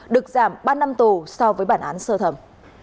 được giảm ba năm tù so với bản án sơ thẩm